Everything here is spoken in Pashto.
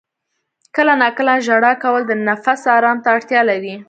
• کله ناکله ژړا کول د نفس آرام ته اړتیا لري.